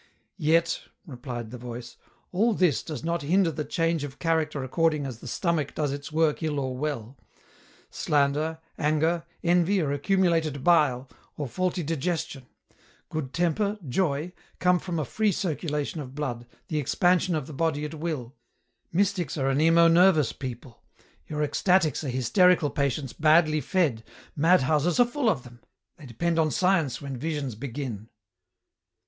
" Yet," replied the voice, " all this does not hinder the change of character according as the stomach does its work ill or well ; slander, anger, envy are accumulated bile, or faulty digestion ; good temper, joy, come from a free circulation of blood, the expansion of the body at will ; mystics are anemo nervous people ; your ecstatics are hysterical patients badly fed, madhouses are fuU of them ; they depend on science when visions begin."